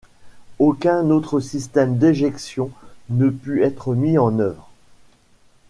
Aucun autre système d'éjection ne put être mis en œuvre.